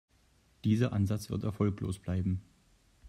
Dieser Ansatz wird erfolglos bleiben.